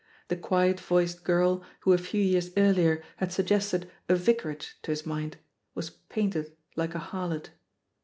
The quiet voiced girl who a few years earlier had suggested a vicarage to his mind was painted like a harlot.